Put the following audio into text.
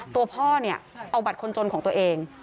ตัวพ่อเนี่ยเอาบัตรคนจนของตัวเอง